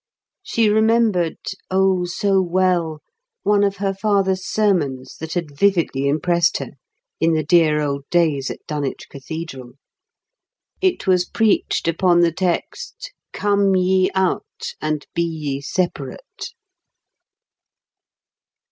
She remembered, oh, so well one of her father's sermons that had vividly impressed her in the dear old days at Dunwich Cathedral. It was preached upon the text, "Come ye out and be ye separate."